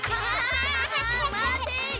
まて！